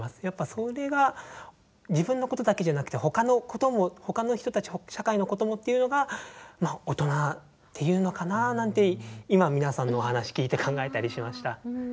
やっぱそれが自分のことだけじゃなくてほかのこともほかの人たち社会のこともっていうのがまあ大人っていうのかななんて今皆さんのお話聞いて考えたりしました。